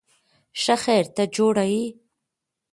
ښه خیر، ته جوړ یې؟